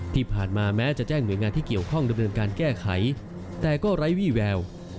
ที่ผ่านมาแม้จะแจ้งหน่วยงานที่เกี่ยวข้องดำเนินการแก้ไขแต่ก็ไร้วี่แวว